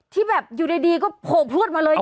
ที่แบบอยู่ดีก็โผล่พลวดมาเลย